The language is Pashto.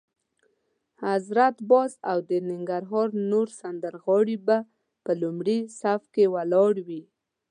حضرت باز او د ننګرهار نور سندرغاړي به په لومړي صف کې ولاړ وي.